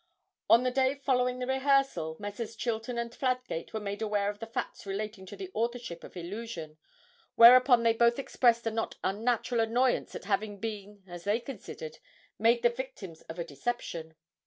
On the day following the rehearsal Messrs. Chilton and Fladgate were made aware of the facts relating to the authorship of 'Illusion,' whereupon they both expressed a not unnatural annoyance at having been, as they considered, made the victims of a deception.